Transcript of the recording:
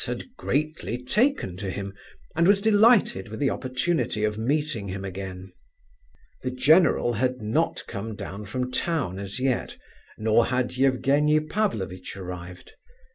had greatly taken to him, and was delighted with the opportunity of meeting him again. The general had not come down from town as yet, nor had Evgenie Pavlovitch arrived.